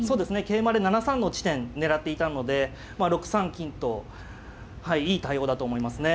桂馬で７三の地点狙っていたので６三金とはいいい対応だと思いますね。